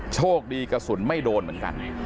โชคดีกระสุนไม่โดนเหมือนกัน